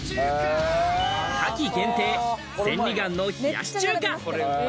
夏季限定、千里眼の冷やし中華。